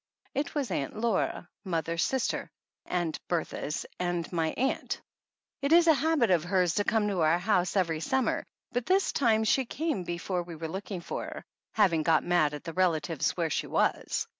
It was Aunt Laura, mother's sister, and Bertha's and my aunt. It is a habit of hers to come to our house 56 THE ANNALS OF ANN every summer, but this time she came before we were looking for her, having got mad at the relatives where she was.